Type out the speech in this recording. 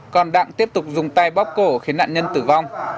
còn đặng tiếp tục dùng tay bóc cổ khiến nạn nhân tử vong